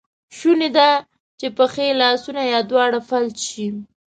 شونی ده چې پښې، لاسونه یا دواړه فلج شي.